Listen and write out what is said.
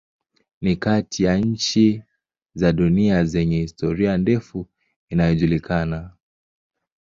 Ni kati ya nchi za dunia zenye historia ndefu inayojulikana.